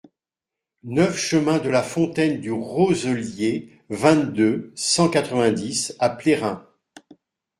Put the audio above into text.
neuf chemin de la Fontaine du Roselier, vingt-deux, cent quatre-vingt-dix à Plérin